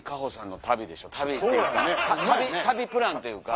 旅プランというか。